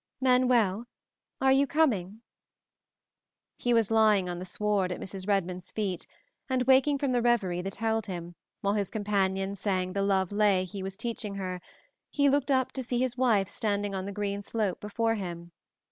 "Manuel, are you coming?" He was lying on the sward at Mrs. Redmond's feet, and, waking from the reverie that held him, while his companion sang the love lay he was teaching her, he looked up to see his wife standing on the green slope before him.